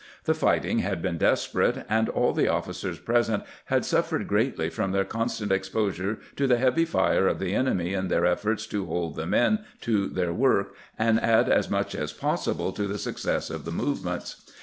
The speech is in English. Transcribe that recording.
The fighting had been desperate, and all the officers present had suffered greatly from their constant exposure to the heavy fire of the enemy in their efforts to hold the men to their work and add as much as possible to the success of the movements.